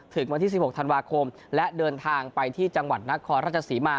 วันที่๑๖ธันวาคมและเดินทางไปที่จังหวัดนครราชศรีมา